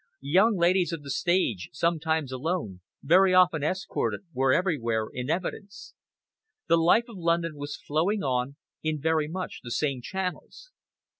Young ladies of the stage, sometimes alone, very often escorted, were everywhere in evidence. The life of London was flowing on in very much the same channels.